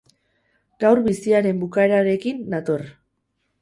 Gaur biziaren bukaerarekin nator.